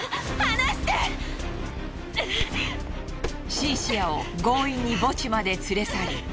シンシアを強引に墓地まで連れ去り。